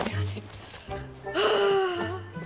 はあ。